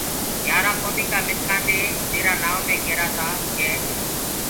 گھيآرآ ڪوميٚ ڪآ منکآنٚ دي تيرآ نآئونٚ مي ڪيرآ تآ ڪي